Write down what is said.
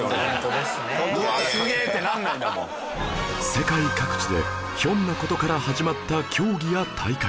世界各地でひょんな事から始まった競技や大会